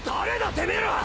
てめえら！